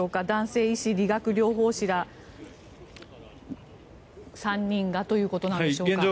男性医師、理学療法士ら３人がということなんですが。